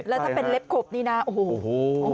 แล้วถ้าเป็นเล็บขบนี่นะโอ้โห